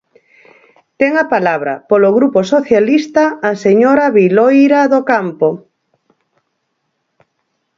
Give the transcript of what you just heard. Ten a palabra, polo Grupo Socialista, a señora Viloira do Campo.